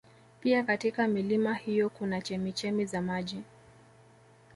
Pia katika milima hiyo kuna chemichemi za maji